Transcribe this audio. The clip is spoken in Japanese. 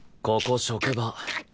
ここ職場。